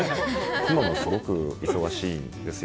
妻もすごく忙しいんですよ。